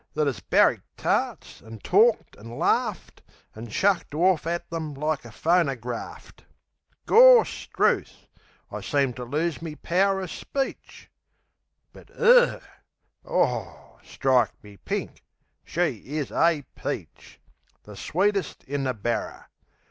that 'as barracked tarts, an' torked an' larft, An' chucked orf at 'em like a phonergraft! Gorstrooth! I seemed to lose me pow'r o' speech. But, 'er! Oh, strike me pink! She is a peach! The sweetest in the barrer!